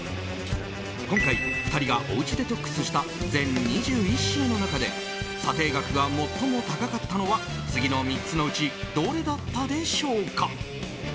今回、２人がおうちデトックスした全２１品の中で査定額が最も高かったのは次の３つのうちどれだったでしょうか？